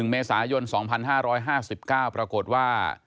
๑เมษายน๒๕๕๙ปรากฏว่า